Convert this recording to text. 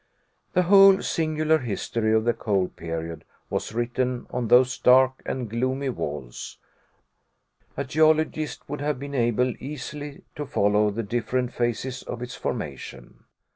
The whole singular history of the coal period was written on those dark and gloomy walls. A geologist would have been able easily to follow the different phases of its formation.